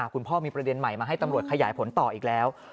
คุณพ่อมีประเด็นใหม่มาให้ตำรวจขยายผลต่ออีกแล้ว